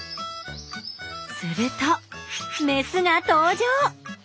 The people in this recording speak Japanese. するとメスが登場！